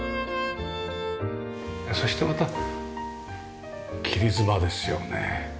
そしてまた切り妻ですよね。